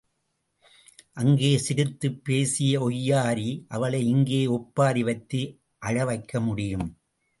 அங்கே சிரித்துப் பேசிய ஒய்யாரி அவளை இங்கே ஒப்பாரி வைத்து அழவைக்க முடியும்.